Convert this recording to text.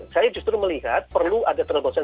saya justru melihat perlu ada terobosan